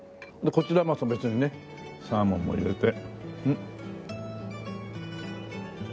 こちらまた別にねサーモンも入れて。